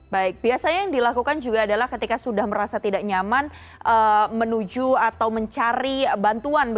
baik biasanya yang dilakukan juga adalah ketika sudah merasa tidak nyaman menuju atau mencari bantuan